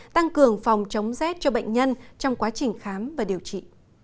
tăng cường phòng chống rét cho bệnh nhân trong quá trình khám và điều trị